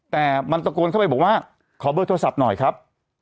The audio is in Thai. แต่มันตะโกนเข้าไปบอกว่าขอเบอร์โทรศัพท์หน่อยครับ